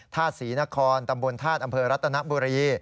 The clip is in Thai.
ธาตุศรีนครตำบลธาตุอำเภอรัตนบุรี